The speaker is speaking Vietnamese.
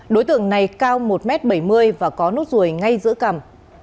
đối tượng này cao một m bảy mươi và có nốt ruồi ngay giữa cầm